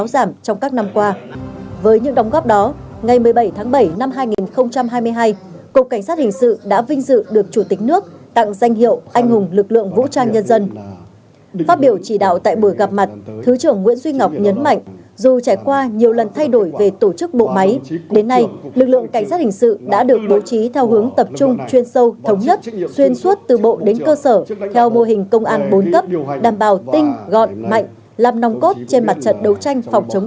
giảm trong các năm qua với những đóng góp đó ngày một mươi bảy tháng bảy năm hai nghìn hai mươi hai cục cảnh sát hình sự đã vinh dự được chủ tịch nước tặng danh hiệu anh hùng lực lượng vũ trang nhân dân phát biểu chỉ đạo tại buổi gặp mặt thứ trưởng nguyễn duy ngọc nhấn mạnh dù trải qua nhiều lần thay đổi về tổ chức bộ máy đến nay lực lượng cảnh sát hình sự đã được bố trí theo hướng tập trung chuyên sâu thống nhất xuyên suốt từ bộ đến cơ sở theo mô hình công an bốn cấp đảm bảo tinh gọn mạnh làm nòng cốt trên mặt trận đấu tranh phòng chống t